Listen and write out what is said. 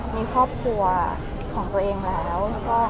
มีครอบครัวของตัวเองแล้ว